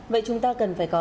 vậy chúng ta cần phải có